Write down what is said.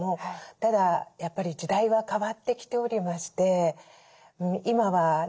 ただやっぱり時代は変わってきておりまして今はね